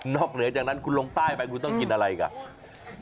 เหนือจากนั้นคุณลงใต้ไปคุณต้องกินอะไรอีก